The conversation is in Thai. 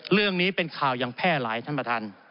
เรื่องนี้เป็นข่าวอย่างแพร่หลายท่านประธาน